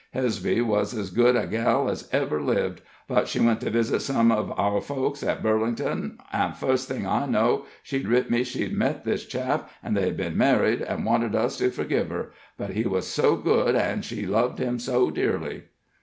Hesby was ez good a gal ez ever lived, but she went to visit some uv our folks at Burlington, an' fust thing I know'd she writ me she'd met this chap, and they'd been married, an' wanted us to forgive her; but he was so good, an' she loved him so dearly."